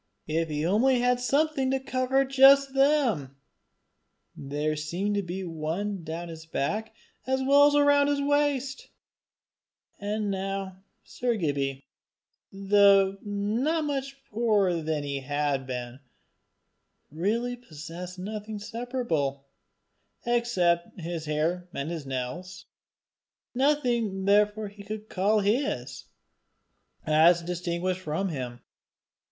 If he only had something to cover just them! There seemed to be one down his back as well as round his waist! And now Sir Gibbie, though not much poorer than he had been, really possessed nothing separable, except his hair and his nails nothing therefore that he could call his, as distinguished from him.